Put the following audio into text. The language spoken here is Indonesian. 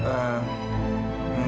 mbak apa ada yang bisa saya bantu